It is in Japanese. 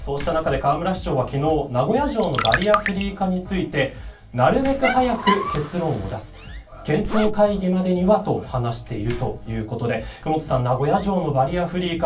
そうした中で河村市長は昨日名古屋城のバリアフリー化についてなるべく早く結論を出す。検討会議までにはと話しているということで麓さん名古屋城のバリアフリー化